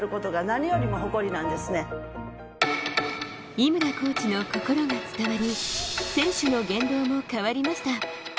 井村コーチの言葉が伝わり、選手の言動も変わりました。